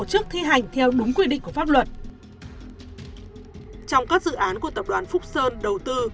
chức thi hành theo đúng quy định của pháp luật trong các dự án của tập đoàn phúc sơn đầu tư